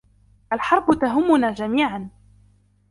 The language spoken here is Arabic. الحرب تهمنا جميعاً.